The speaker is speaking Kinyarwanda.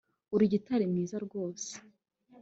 Uri gitari mwiza rwose